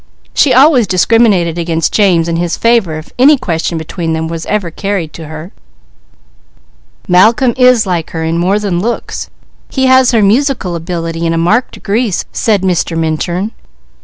She always discriminated against James in his favour if any question between them were ever carried to her." "Malcolm is like her in more than looks. He has her musical ability in a marked degree," said Mr. Minturn.